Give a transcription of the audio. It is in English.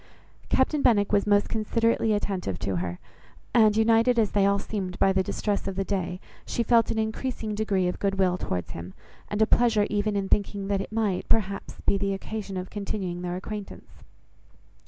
Captain Benwick was most considerately attentive to her; and, united as they all seemed by the distress of the day, she felt an increasing degree of good will towards him, and a pleasure even in thinking that it might, perhaps, be the occasion of continuing their acquaintance.